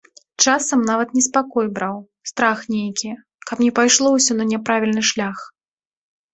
Часам нават неспакой браў, страх нейкі, каб не пайшло ўсё на няправільны шлях.